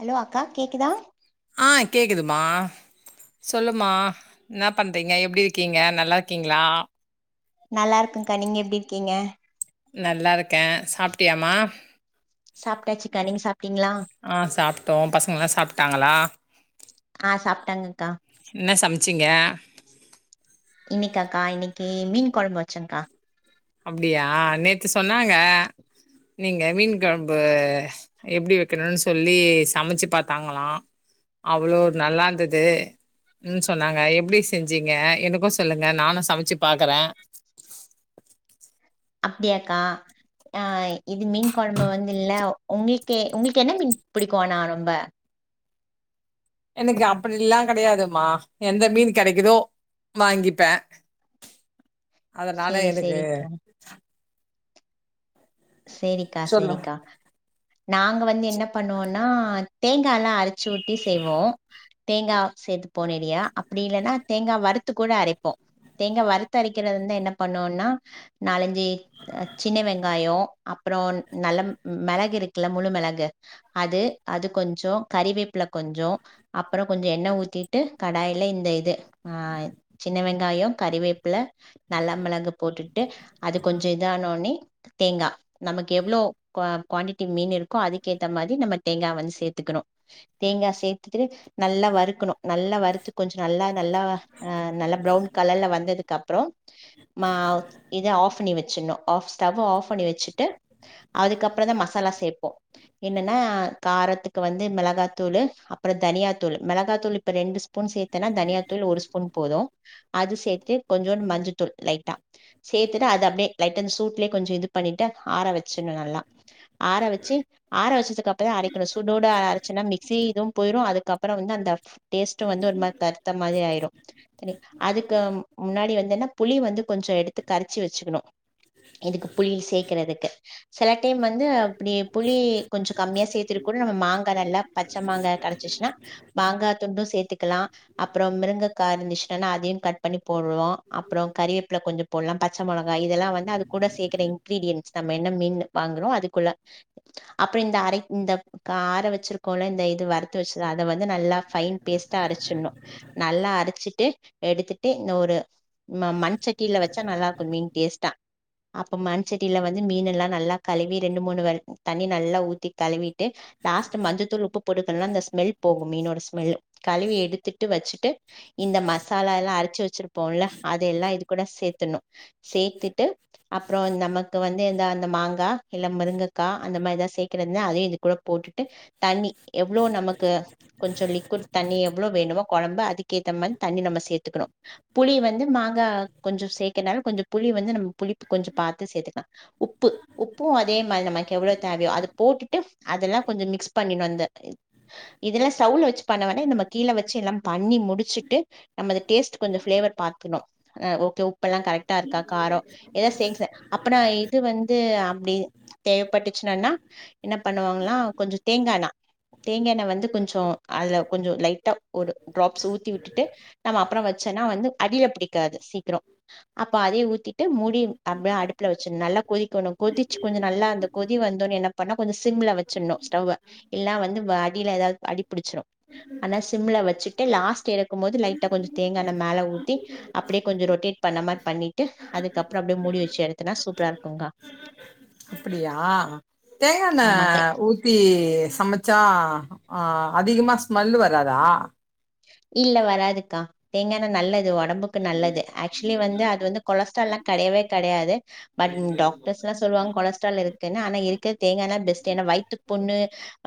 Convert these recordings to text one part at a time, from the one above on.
Hello அக் கா கேக்குதா கிதுமா சொல்லுமா ன்ன பண்றீங்க எப்டி இர்க்கீங்க நல்லார்க்கீங்ளா நல்லார்க்கங்கா நீங்க எப்டி இர்க்கீங்க நல்லார்கே சாப்ட்டியாமா சாப்ட்டாச்சுக்கா நீங்க சாப்ட்டீங்களா ஆ சாப்ட்டோ பசங்கல்லா சாப்ட்டாங்களா ஆ சாப்ட்டாங்கக்கா ன்ன சம்ச்சீங்க கக்கா இன்னிக்கி மீன் கொழம்பு வச்சங்க்கா அப்டியா நேத்து சொன்னாங்க நீங்க மீன் கொழும்பு எப்டி வெக்கணுன் சொல்லி சமச்சு பாத்தாங்களா அவுளோ நல்லா இந்துது ன் சொன்னாங்க எப்டி செஞ்சீங்க எனுக்கு சொல்லுங்க நானு சமுச்சி பாக்குற அப்டியாக்கா ஆ இது மீன் கொழம்பு வந்து இல்ல உங்ளுக்கு உங்ளுக்கு என்ன மீன் பிடிக்கு ஆனா ரொம்ப எனக்கு அப்டில்லா கெடையாதுமா எந்த மீன் கெடைக்குதோ வாங்கிப்பே அதனால சேரி எனக்கு சேரிக்கா செரிக்கா சொல்லு செரிக்கா நாங்க வந்து என்ன பண்ணுவோனா தேங் காலா அர ச்சூட்டி செய்வோ தேங்கா சேத்து போனேடியா அப்டி இல்லன்னா தேங்கா வறுத்து கூட அரைப்போ தேங்கா வறுத்து அரைக்கிறது வந்து என்ன பண்ணுவோனா நாலஞ்சு ஆஹ் சின்ன வெங்காயோ அப்றோ நல்ல மெளகு இருக்குக்கில்ல முழு மெளகு அது அது கொஞ்சோ கறிவேப்பில கொஞ்சோ அப்பறோ கொஞ்சோ எண்ண ஊத்திட்டு கடாயில இந்த இது ஆஹ் சின்ன வெங்காயோ கறிவேப்பில நல்ல மிளகு போட்டுட்டு அது கொஞ்ச இதானோனே தேங்கா நமக்கு எவ்ளோ குவா குவான்டிட்டி மீன் இருக்கோ அதுக்கேத்த மாரி நம்ம தேங்கா வந்து சேத்துக்கணு தேங்கா சேத்திட்டு நல்லா வறுக்கணு நல்லா வருத்து கொஞ்சோ நல்லா நல்லா நல்லா ப்ரௌன் கலர்ல வந்ததுக் கப்றோ மா இத ஆஃப் பண்ணி வச்சிட்னு ஆஃப் ஸ்டவ்வ ஆஃப் பண்ணி வச்சிட் டு அதுக்கப்பறந்தா மசாலா சேப்போ என்னன்னா காரத்திக்கு வந்து மிளகாத்தூளு அப்றோ தனியாத்தூளு மிளகாத்தூளு இப்ப ரெண்டு ஸ்பூன் சேத்தனா தனியாத்தூள் ஒரு ஸ்பூன் போது அது சேத்து கொஞ்சோனு மஞ்ச தூள் லைட்டா சேத்திட்டு அது அப்டே லைட்டா அந்த சூட்லே கொஞ்சோ இது பண்ணிட் ட்ட ஆர வச்சிர்னு நல்லா ஆர வச்சு ஆர வச்சசு கப்றோ அரைக்குணு சூடோட அரச்சனா மிக்சி இதூ போயிறூ அதுக்கப்பற வந்து அந்த டேஸ்டூ வந்து ஒரு மாரி தர்த்தர் மாரி ஆய்ரூ நீ அதுக்கு முன்னாடி வந்து என்ன புளி வந்து கொஞ்சோ எடுத்து கரச்சு வச்சுக்கனு இதுக்கு புளி சேக் க்குறதிக்கு சில டைம் வந்து அப்டியே புளி கொஞ்சோ கம்மியா சேத்திட்டு கூட நம்ம மாங்கா நல்லா பச்ச மாங்கா கெடச்சுச்சுனா மாங்கா துண்டூ சேத்துக்கலா அப்றோ மிருங்கக்காய் இருந்துச்சுன்னா அதயூ கட் பண்ணி போடுவோ அப்றோ கறிவேப்பல கொஞ்சோ போடலா பச்ச மொளகா இதெல்லா வந்து அது கூட சேக்கற இன் கீரீடியன்ஸ் நம்ம என்ன மீன் வாங்குறோ அதுக்குள்ள அப்றோ இந்த அரை இந்த கா ஆர வச்சுருக்கோல இந்த இது வறுத்து வச்சத அத வந்து நல்லா ஃபைன் பேஸ்ட்டா அரச்சிட்ணூ நல்லா அரச்சிட்டு எடுத்திட்டு இந்த ஒரு ம மண் செட்டில வச்சா நல்லாருக்கூ மீன் டேஸ்டா அப்ப மண் செட்டில வந்து மீன்னெல்லா நல்லா கழுவி ரெண்டு மூணு வ தண்ணி நல்லா ஊத்தி கழுவிட்டு லாஸ்ட் மஞ்சத்தூள் உப்பு போட்டுக்கழும்னா அந்த ஸ்மெல் போகூ மீனோட ஸ்மெல் கழுவி எடுத்திட்டு வச்சுட்டு இந்த மசாலா எல்லா அரச்சு வச்சுருப்போல்ல அத எல்லாம் இது கூட சேத்துர்ணு சேத்திட்டு அப்றோ நம்ம க்கு வந்து எந்த அந்த மாங்கா இல்ல முருங்கக்கா அந்த மாரிதா சேக்கறத்னா அதையூ இது கூட போட்டுட்டு தண்ணி எவ்ளோ நமக்கு கொஞ்சோ லிக்விட் தண்ணி எவ்ளோ வேணுமோ கொழம்பு அதுக்கேத்த மாரி தண்ணி நம்ம சேத்துக்குணு புளி வந்து மாங்கா கொஞ்சோ சேக்கனால கொஞ்சோ புளி வந்து நம்ம புளிப்பு கொஞ்சோ பாத்து சேத்துக் உப்பு உப்பூ அதே மாரி நமக்கு எவ்ளோ தேவயோ அத போட்டுட்டு அதெல்லா கொஞ்சோ மிக்ஸ் பண்ணினூ அந்த இதெல்லா ஸ்டவ்வுல வச்சு பண்ண வேனா நம்ம கீழ வச்சு எல்லா பண்ணி முடிச்சிட்டு நம்ம அத டேஸ்ட் கொஞ்சோ ஃபிளேவர் பாக்குணு ஆஹ் ஓக்கே உ உப்பல்லா கரக்டா இருக்கா காரோ ஏதாஸ் ஸேங்ச நா இது வந்து அப்டி தேவப்பட்டுச்சுன்னனா என்ன பண்ணுவாங்கலா கொஞ்சோ தேங்காண்ணா தேங்கா எண்ண வந்து கொஞ்சோ அதுல கொஞ்சோ லைட்டா ஒரு டிராப்ஸ் ஊத்தி விட்டுட்டு நம்ம அப்றோ வச்சன்னா வந்து அடிய புடிக்காது சீக்ரோ அப்ப அதயூ ஊத்திட்டு மூடி அப்ப அடுப் ட்ல வச்சணு நல்லா கொதிக்கணு கொதிச் கொஞ்சோ நல்லா அந்த கொதி வந்துன்னு என்னா பண்ணா கொஞ்சோ சிம்ல வச்சிட்ணூ ஸ்டவ்வ எல்லா வந்து அடில ஏதாவ்து அடிப்புடுச்சுறூ ஆனா சிம்ல வச்சிட் ட்டு லாஸ்ட் எரக் ஒம் போது லைட்டா கொஞ்சோ தேங்கா எண்ண மேல ஊ தி அப்டியே கொஞ்சோ ரொட்டேட் பண்ண மாரி பண்ணிட்டு அதுக்கப்றோ அப்டியே மூடி வச்சு எடுத் தின்னா சூப்ரா இருக்குங்க்கா அப்டியா தேங்கா எண்ண ஆமாங்க ஊத்தி சமச்சா ஆஹ் அதிகமா ஸ்மெல் வராதா இல்ல வராதுக்கா தேங்காண்ணெ நல்லது ஒடம்புக்கு நல்லது ஆக்சுலி வந்து அது வந்து கொலஸ்ட்ராலா கெடையவே கெடையாது பட் டாக்டர்ஸ்லா சொல்லுவாங்க கொலஸ்ட்ரால் இருக்குன்னு ஆனா இருக்க தேங்கா எண்ணெ பெஸ்ட்டு ஏனா வய்த்து புண்ணு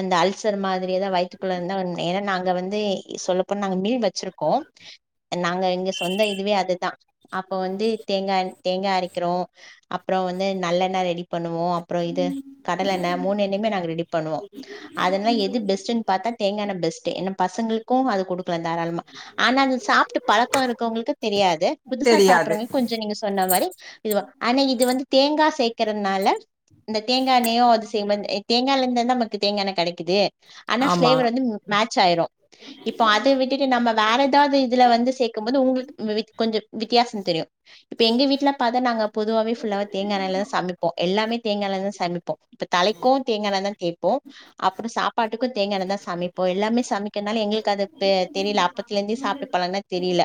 அந்த அல்சர் மாதிரி தா வயித்துக்குள்ள இருந்தா வந்தே ஏனா நாங்க வந்து சொல்லப் அப்றோ நாங்க மீல் வச்ருக்கோ நாங்க எங்க சொந்த இதுவே அதுதா அப்ப வந்து தேங்கா தேங்கா அரகிறோ அப்றோ வந்து நல்லெண்ண ரெடி பண்ணுவோ அப்றோ இது கடலெண்ணெ மூனு எண்ணயுமே நாங்க ரெடி பண்ணுவோ அதென்லா எது பெஸ்ட்டுன் பாத்தா தேங்காண்ண பெஸ்ட்டு என்ன பசங்களுக்கு அது குடுக் தாராளமா ஆனா அது சாப்ட்டு பழக்கோ இருக்கவங்களுக்கு தெரியாது புதுசா தெரியாது சாப்றவங்க கொஞ்சோ நீங்க சொன்ன மாரி இல்ல ஆனா இது வந்து தேங்கா சேக்றதுனால அந்த தேங்கா எண்ணயு அது சேம் தேங்கால இருந்து நமக்கு தேங்காண்ன கெடைக்குது ஆனா ஆமா பிளேவர் வந்து மேட்ச் ஆயிரு இப்ப அத் ட்டுவிட்டுட்டு நம்ப வேற ஏதாது இதுல வந்து சேக்கும்போது ஒங்ளுக்கு கொஞ்சோ வித்தியாசோ தெரியு இப்ப எங்க வீட்ல பாத்தா நாங்க பொதுவாவே ஃபுல்லாவே தேங்காயெண்ணைல தா சமப்போ எல்லாமே தேங்கா எண்ணைல தா சமப்போ இப்ப தலைக்கு தேங்கா எண்ண தா தேப்போ அப்றோ சாப்பாட்டுக்கு தேங்கா எண்ண தா சமைப்போ எல்லாமே சமைக்கனால எங்ளுக்கு அது ப்ப தெரில அப்பத்ல இருந்தே சாப்ட்டு பழகுனா தெரில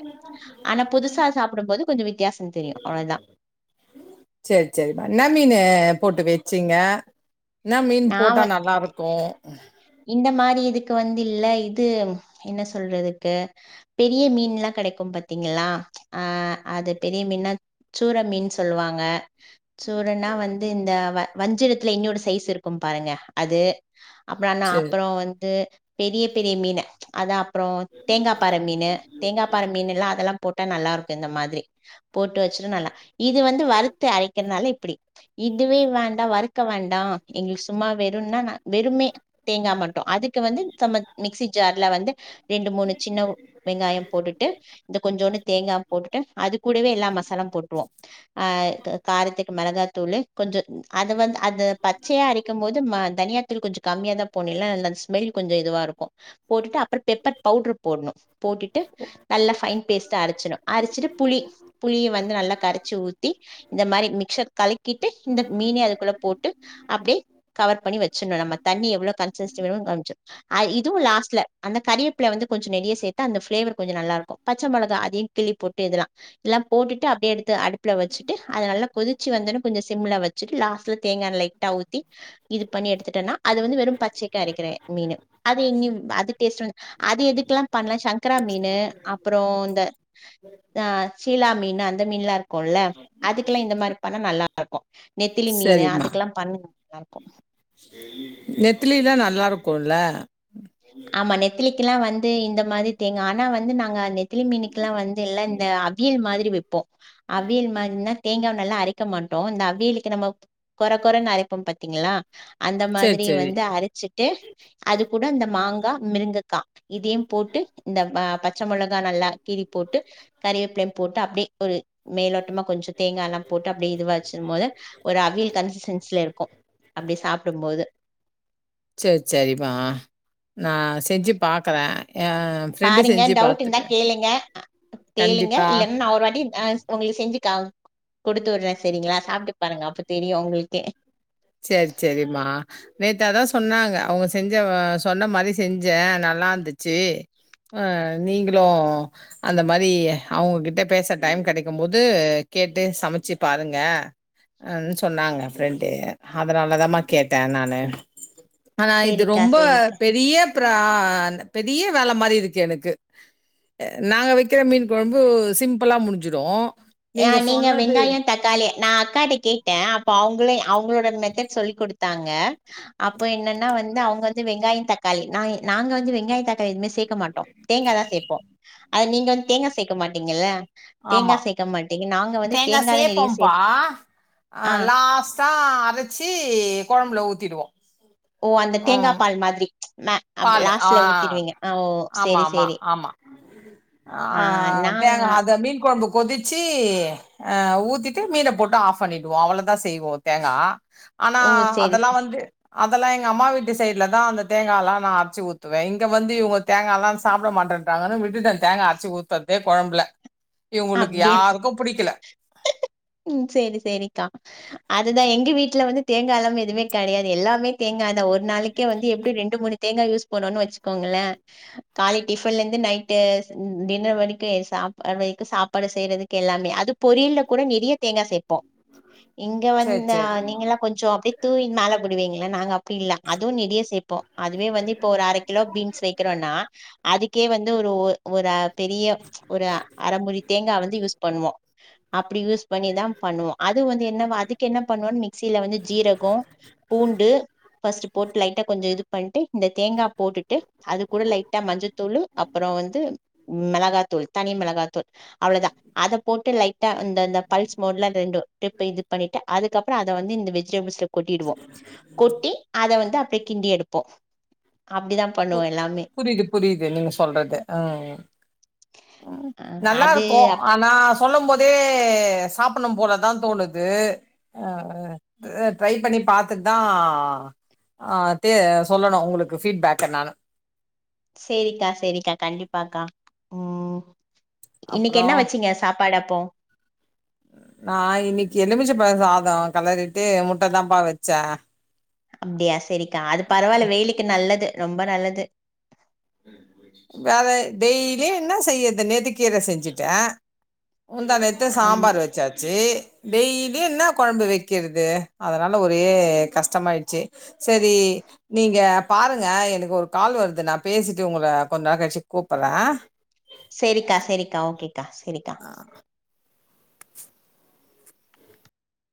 ஆனா புதுசா சாப்டும்போது கொஞ்ச வித்தியாசந் தெரியு அவ்ளதா சேர் சேரிமா என்னா மீனு போட்டு வெச்சிங்க என்னா மீன் நா வ போட்டா நல்லாருக்கு இந்த மாரி இதுக்கு வந்து இல்ல இது என்ன சொல்றதுக்கு பெரிய மீன்லா கெடைக்கு பாத்திங்களா ஆ அது பெரிய மீன்னா சூற மீன் சொல்லுவாங்க சூறன்னா வந்து இந்த வ வஞ்சிரத்துல இன்னோரு சைஸ் இருக்கும் பாருங்க அது வேணா சரி அப்பற வந்து பெரிய பெரிய மீனு அதா அப்பற தேங்கா பாற மீனு தேங்கா பாற மீனு எல்லா அதெல்லா போட்டா நல்லாருக்கு இந்த மாதிரி போட்டு வச்சிட நல்லா இது வந்து வறுத்து அரைக்கிறனால இப்பிடி இதுவே வேண்டா வறுக்க வேண்டா எங்ளுக்கு சும்மா வெறுன்னா நா வெறுமே தேங்கா மட்டு அதுக்கு வந்து நம்ம மிக்சி ஜார்ல வந்து ரெண்டு மூணு சின்ன வெங்காயம் போட்டுட்டு இந்த கொஞ்சோண்டு தேங்கா போட்டுட்டு அது கூடவே எல்லா மசாலாம் போட்ருவோ ஆ காரத்துக்கு மெளகாத்தூளு கொஞ்சொ அது வந்து அந்த பச்சையா அரைக்கும் போது ம தனியா தூள் கொஞ்ச கமியாதா போணு இல்னா இந்த ஸ்மெல் கொஞ்சொ இதுவா இருக்கு போட்டுட்டு அப்பற பெப்பர் பவுடரு போடணு போட்டுட்டு நல்லா ஃபைன் பேஸ்ட்டா அரைச்சணு அரைச்சிட்டு புளி புளிய வந்து நல்லா கரைச்சி ஊத்தி இந்த மாரி மிக்சர் கலக்கிட்டு இந்த மீனை அதுக்குள்ள போட்டு அப்டியே கவர் பண்ணி வச்சர்ணு நம்ம தண்ணி எவ்ளோ கன்ச்சஸ்டி வேணு காம்ச்சு அ இதுவு லாஸ்ட்ல அந்த கரிவேப்பில வந்து கொஞ்ச நறைய சேத்தா அந்த ஃபிளேவர் கொஞ்ச நல்லாருக்கு பச்ச மொளகா அதையு கிள்ளி போட்டு இதெலா இதெல்லாம் போட்டுட்டு அப்டியே எடுத்து அடுப்புல வெச்சுட்டு அத நல்லா கொதிச்சு வந்தோனே கொஞ்ச சிம்ல வச்சுட்டு லாஸ்ட்ல தேங்கா எண்ணெ லைட்டா ஊத்தி இது பண்ணி எடுத்துட்டனா அது வந் பச்சைக்கு அரைக்கிறே மீனு அது எங்கிம் அது டேஸ்ட் வந்து அது எதுக்கெலா பண்லா சங்கரா மீனு அப்பறோ இந்த அ ஷீலா மீனு இந்த மீன்லா இருக்குல்ல அதுக்கில்லா இந்த மாரி பண்ணா நல்லாருக்கு நெத்திலி மீனு சரிம்மா அதுக்கல்லாம் பண் [inaudible] ல்லாருக்கு நெத்திலிலல்லா நல்லா இருக்குல்ல ஆமா நெத்திலி இல்ல வந்து இந்த மாரி தேங்க ஆனா வந்து நாங்க அந்த நெ நெத்திலிமீனுக்குெல்லா வந்து ல்ல இந்த அவியல் மாதிரி இப் ப்ப அவியல் மாதிரனா தேங்காய் நல்லா அரைக்க மாட்டோ இந்த அவிலுக்கு நம்ம குறை குறைன்னு அரைப்போம் பாத்தீங்களா அந்த சரி மாதிரி சரி வந்து அரைச்சிட்டு அது கூட இந்த மாங்க முருகங்கா இதையும் போட்டு இந்த பச்சை மிளகா நல்லா கீறி போட்டு கறிவேப்பிலம் போட்டு அப்படியே ஒரு மேலோட் கொஞ்சம் தேங்காய எல்லாம் போட்டு அப்படி இதுவச்சும் போது ஒரு அவியல் கன்சிஸன்சல இருக்கும் அப்படி சாப்டும் போது சரி சரிமா நான் செஞ்சு பாக்கறே பாருங்க டவுட் இருந்தா கேளுங்க அ கேளுங்க கண்டிப்பா இல்லன்னா நா ஒரு வாட்டி ஆ உங்களுக்கு செஞ்சி காம் குடுத்துவுட்றே செரிங்ளா சாப்ட்டு பாருங்க அப்போ தெரியு உங்ளுக்கே சேரி சேரிம்மா நேத்து அதா சொன்னாங்க அவுங்க செஞ்சி ஆ சொன்ன மாரி செஞ்சே நல்லாந்திச்சு ஆ நீங்களு அந்த மாரி அவுங்கக்கிட்ட பேச டைம் கடைக்கும் போது கேட்டு சமச்சிப் பாருங்க ன் சொன்னாங்க ஃப்ரெண்டு அதனாலதாம்மா கேட்ட நானு ஆனா இது சேரிக்கா ரொம்ப சேரிக்கா பெரியப் த்ரா அந்த பெரிய வேல மாரி இருக்கு எனக்கு நாங்க வெக்கிற மீன் கொழம்பு சிம்ப்புளா முடிஞ்சுரு ஆ நீங்க வெங்காயொ தக்காளி நா அக்காட்ட கேட்ட அப்ப அவுங்களே அவுங்களோட மெத்தட் சொல்லி்க் குடுத் தாங்க அப்போ என்னன்னா வந்து அவுங்க வந்து வெங்காயொ தக்காளி நா நாங்க வந்து வெங்காயொ தக்காளி எதுமே சேக்க மாட்டோ தேங்காதா சேப்போ அத நீங்க வந் தேங்கா சேக்க மாட்டீங்கல்ல ஆமா கம்மன் தேங்கா சேப்போம்ப்பா ஆ லாஸ்ட்டா அரச்சி கொழம்புல ஊத்திடுவோ [unintelligible] ஓ அந்த ம் தேங்காப்பால் மாதிரி மே பாலு ஆ லாஸ்ட்ல ஊத்திடுவீங்க ஆ ஓ ஆமா சேரி ஆமா சேரி ஆமா ஆ தேங்கா அத மீன் கொழம்பு கொதிச்சி ஆ ஊத்திட்டு மீனப் போட்டு ஆஃபண்ணிடுவோ அவ்ளோதா செய்வோ தேங்கா ஆனா ஓ சேரி அதெல்லா சே வந்து அதெல்லா எங்க அம்மா வீட்டு சைட்லதா அந்த தேங்கால்லா அரச்சி ஊத்துவே இங்க வந்து இவுங்க தேங்கால்லா சாப்ட மாட்டன்றாங்கன்னு விட்டுட்ட தேங்கா அரச்சி ஊத்தற்தே கொழம்புல இவுங்களுக்கு அப்டியா யாருக்கு புடிக்கல ம் சேரி சேரிக்கா அதுதா எங் க வீட்ல வந்து தேங்கால்லாம எதுமே கடையாது எல்லாமே தேங்காதா ஒரு நாளக்கே வந்து எப்டி ரெண்டு மணிக் தேங்கா யூஸ் பண்ணுவோனு வச்சுக்கோங்களே காலை டிஃபன்லேந்து நைட்டு டின்னர் வரைக்கு எ சாப்பாடு வெக் கு சாப்பாடு செய்றதுக்கு எல்லாமே அது பொரியல்லக் கூட நிறைய தேங்கா சேப்போ இங்க வந் சேர் அ சேரி நீங்கல்லா கொஞ்சொ அப்டியே தூவி மேல போடுவீங்க நாங்க அப்டி இல்ல அதுவு நெறிய சேப்போ அதுவே வந்து இப்போ ஒரு அர கிலோ பீன்ஸ் வெக்கிறோன்னா அதுக்கே வந்து ஒரு ஒ ஒரு அ பெரிய ஒரு ர மூடி தேங்கா வந்து யூஸ் பண்ணுவோ அப்டி யூஸ் பண்ணிதா பண்ணுவோ அது வந்து என்னவா அதுக் என்ன பண்ணுவோ மிக்ஸில வந்து ஜீரகொ பூண்டு ஃபர்ஸ்ட்டு போட்டு லைட்டா கொஞ்சொ இது பண்ட்டு இந்த தேங்கா போட்டுட்டு அதுக் கூட லைட்டா மஞ்சத்தூளு அப்பறோ வந்து மெளகாத்தூள் தனி மெளகாத்தூ அவ்ளோதா அதப் போட்டு லைக் த அந்தந்த பல்ஸ் மோட்ல ரெண்டு ட்ரிப் இது பண்ணிட்ட அதுக்கப்பறோ அத வந்து இந்த வெஜிடேபுள்ஸ்ல கொட்டிடுவோம். கொட்டி அதை வந்து அப்டியே கிண்டியெடுப்போம் பு புரியுது புரியுது நீங்க சொல்றது அம் உம் அ அது நல்லாருக்கும் அப் ஆனா சொல்லும் போதே சாப்டணும் போலதான் தோணுது அம். ட்ரை பண்ணி பார்த்துட்டு தான் தே சொல்லணும் உங்களுக்கு பீட்பேக் என்னால சேரிக்கா சேரிக்கா கண்டிப்பாக்கா உம் இன்னைக்கு அப்றோ என்னவச்சீங்க சாப்பாடப் போம் நான் இன்னிக்கு எலுமிச்சப்பழசாதம் கிளறிட்டு முட்ட தாம்ப்பா வச்சேன். அப்படியா சரிக்கா அது பரவால்ல வெயிலுக்கு நல்லது, ரொம்ப நல்லது. வேற டெய்லியும் என்ன செய்யது நேத்துக்கீரை செஞ்சுட்டே முந்தாநேத்து ஆம் சாம்பாரு வச்சாச்சு டெய்லி என்ன குழம்பு வைக்கிறது, அதனால ஒரே கஷ்டமயிச்சு சரி நீங்க பாருங்க எனக்கு ஒரு கால் வருது நான் பேசிட்டு உங்கள கொஞ்சநேரம் கழிச்சு கூப்பறன் சேரிக்கா சேரிக்கா ஓகே ஆ சரிக்கா